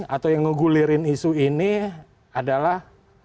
atau yang ngegulirin isu ini adalah